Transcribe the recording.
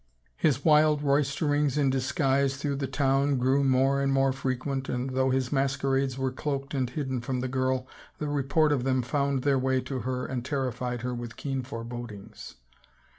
His wild roisterings in disguise through the town grew more and mor^ frequent and though his masquerades were cloaked and hidden from the girl, the report of them found their way to her and terrified her with keen forebodings.